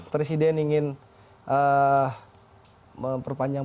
presiden ingin memperpanjang